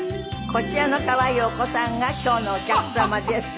こちらの可愛いお子さんが今日のお客様です。